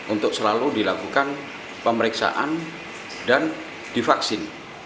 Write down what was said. untuk selalu dilakukan pemeriksaan dan divaksin